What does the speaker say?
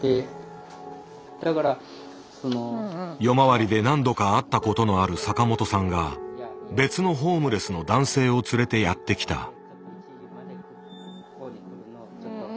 夜回りで何度か会ったことのある坂本さんが別のホームレスの男性を連れてやって来た。